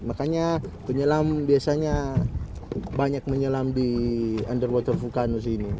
makanya penyelam biasanya banyak menyelam di underwater vulkanus ini